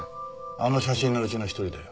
あの写真のうちの一人だよ。